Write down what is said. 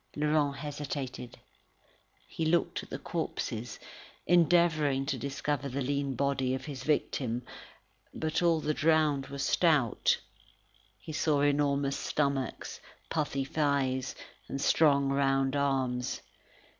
Laurent hesitated; he looked at the corpses, endeavouring to discover the lean body of his victim. But all the drowned were stout. He saw enormous stomachs, puffy thighs, and strong round arms.